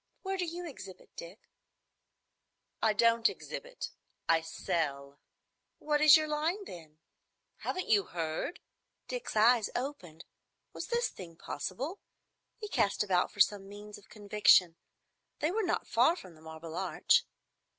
Where do you exhibit, Dick?" "I don't exhibit. I sell." "What is your line, then?" "Haven't you heard?" Dick's eyes opened. Was this thing possible? He cast about for some means of conviction. They were not far from the Marble Arch.